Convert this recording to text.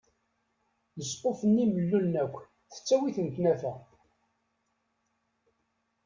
Lesquf-nni mellulen akk tettawi-ten tnafa.